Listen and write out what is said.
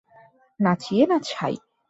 নাচিয়ে না ছাই।